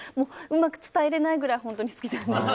うまく伝えられないぐらい本当に好きなんです。